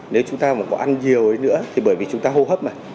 nếu chúng ta mà có ăn nhiều ấy nữa thì bởi vì chúng ta hô hấp mà